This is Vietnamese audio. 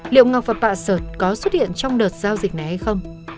liệu ngọc và pạ sợt có xuất hiện trong đợt giao dịch này hay không